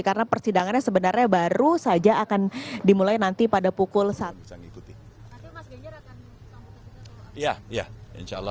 karena persidangannya sebenarnya baru saja akan dimulai nanti pada pukul satu